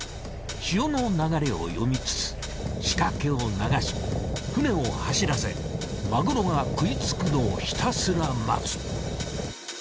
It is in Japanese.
潮の流れを読みつつ仕掛けを流し船を走らせマグロが喰いつくのをひたすら待つ。